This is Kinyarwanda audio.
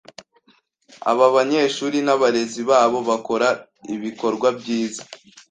Aba banyeshuri n’abarezi babo bakora ibikorwa byiza.